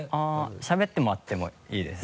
しゃべってもらってもいいです。